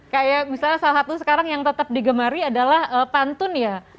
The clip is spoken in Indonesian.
kayak misalnya salah satu sekarang yang tetap digemari adalah pantun ya